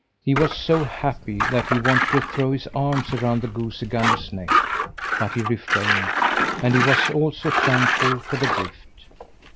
He was so happy that he wanted to throw his arms around the goosey gander's neck, but he refrained; and he was also thankful for the gift.